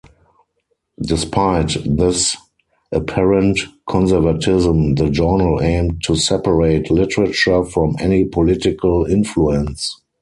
Despite this apparent conservatism, the journal aimed to separate literature from any political influence.